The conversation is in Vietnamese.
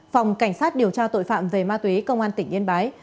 phòng cảnh sát điều tra tội phạm về ma túy công an tỉnh yên bái